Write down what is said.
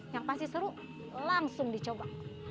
yang pasti seru langsung dicoba